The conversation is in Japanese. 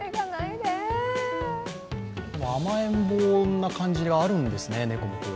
甘えん坊な感じがあるんですね、猫も。